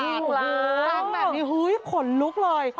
จริงตั้งแบบนี้หัวหนึ่งลุกเลย